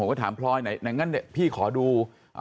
ผมก็ถามพลอยไหนงั้นพี่ขอดู